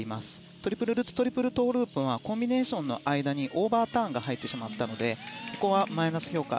トリプルルッツトリプルトウループはコンビネーションの間にオーバーターンが入ってしまったのでここはマイナス評価。